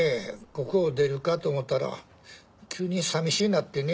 ここを出るかと思ったら急にさみしぃなってね。